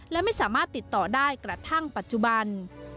และไม่สามารถติดต่อได้กระทั่งปัจจุบัน